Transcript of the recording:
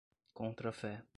contrafé